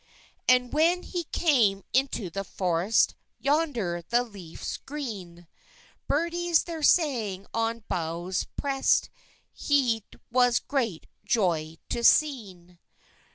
And when he cam ynto the foreyst, Yonder the leffes grene, Berdys ther sange on bowhes prest, Het was gret joy to sene.